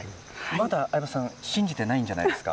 まだ相葉さん信じてないんじゃないですか？